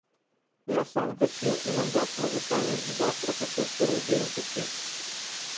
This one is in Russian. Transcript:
Я сам косил иногда с мужиками и завтра хочу целый день косить.